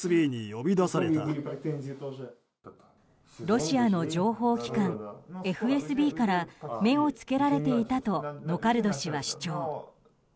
ロシアの情報機関ＦＳＢから目をつけられていたとノカルド氏は主張。